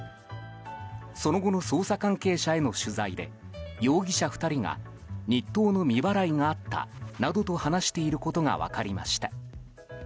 その後の捜査関係者への取材で容疑者２人が日当の未払いがあったなどと話していることが分かりました。